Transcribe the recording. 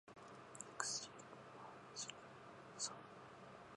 X 軸 Y 軸